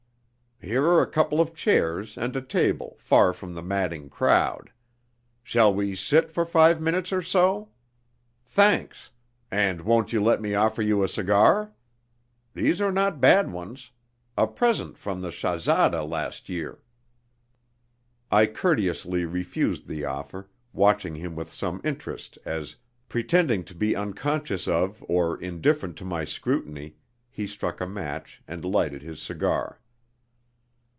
Here are a couple of chairs, and a table, far from the madding crowd. Shall we sit for five minutes or so? Thanks. And won't you let me offer you a cigar? These are not bad ones. A present from the Shahzada last year!" I courteously refused the offer, watching him with some interest as, pretending to be unconscious of or indifferent to my scrutiny, he struck a match and lighted his cigar.